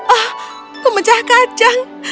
oh pemecah kacang